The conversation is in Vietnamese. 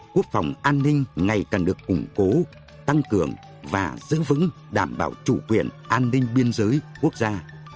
quốc phòng an ninh ngày càng được củng cố tăng cường và giữ vững đảm bảo chủ quyền an ninh biên giới quốc gia